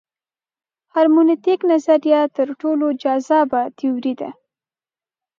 هرمنوتیک نظریه تر ټولو جذابه تیوري ده.